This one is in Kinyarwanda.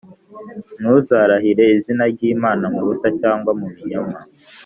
Ntuzarahire izina ryimana mubusa cyangwa mubinyoma